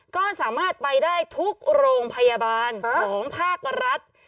ก็สามารถไปได้ทุกโรงพยาบาลของภาครัฐ